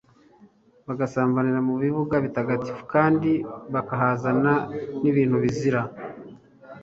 bagasambanira mu bibuga bitagatifu kandi bakahazana n'ibintu bizira